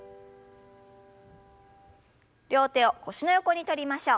両手を腰の横に取りましょう。